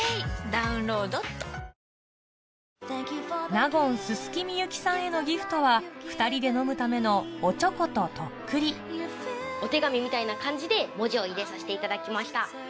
納言薄幸さんへのギフトは２人で飲むためのおちょこととっくりお手紙みたいな感じで文字を入れさせていただきました。